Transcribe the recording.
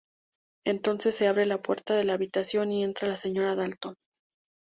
Entonces se abre la puerta de la habitación y entra la señora Dalton.